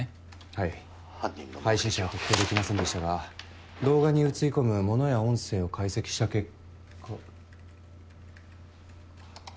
はい配信者は特定できませんでしたが動画に映り込む物や音声を解析した結果。